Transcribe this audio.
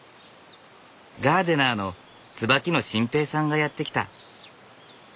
ガーデナーの椿野晋平さんがやって来た。